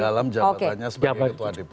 dalam jabatannya sebagai ketua dpd